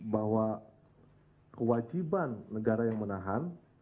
bahwa kewajiban negara yang menahan